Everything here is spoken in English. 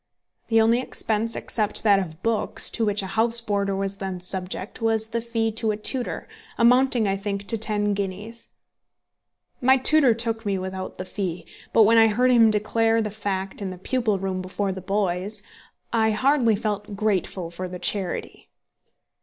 The only expense, except that of books, to which a house boarder was then subject, was the fee to a tutor, amounting, I think, to ten guineas. My tutor took me without the fee; but when I heard him declare the fact in the pupil room before the boys, I hardly felt grateful for the charity.